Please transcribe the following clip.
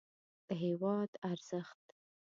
د هېواد ارزښت